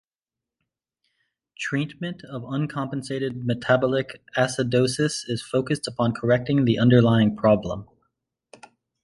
Treatment of uncompensated metabolic acidosis is focused upon correcting the underlying problem.